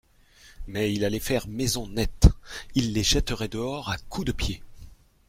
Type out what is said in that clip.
Mais il allait faire maison nette, il les jetterait dehors à coups de pied.